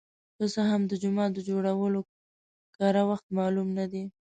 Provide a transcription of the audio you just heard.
که څه هم د جومات د جوړولو کره وخت معلوم نه دی.